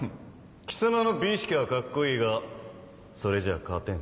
貴様の美意識はカッコいいがそれじゃあ勝てん。